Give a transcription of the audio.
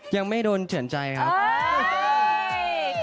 ยังไม่โดนเถื่อนใจครับ